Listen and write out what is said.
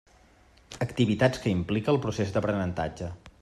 Activitats que implica el procés d'aprenentatge.